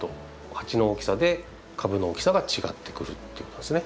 鉢の大きさで株の大きさが違ってくるということですね。